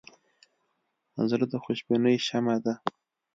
زړه د خوشبینۍ شمعه ده.